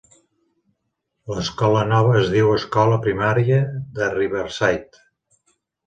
L'escola nova es diu Escola Primària de Riverside.